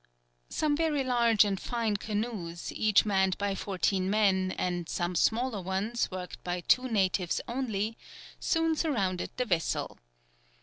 Some very large and fine canoes, each manned by fourteen men, and some smaller ones, worked by two natives only, soon surrounded the vessel.